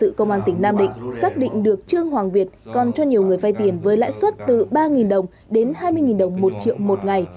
công an tỉnh nam định xác định được trương hoàng việt còn cho nhiều người vay tiền với lãi suất từ ba đồng đến hai mươi đồng một triệu một ngày